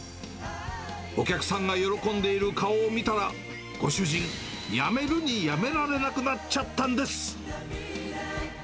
お客さんが喜んでいる顔を見たら、ご主人、やめるにやめられなくなっちゃったんです。